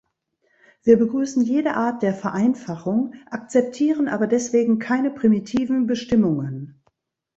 Wir begrüßen jede Art der Vereinfachung, akzeptieren aber deswegen keine primitiven Bestimmungen.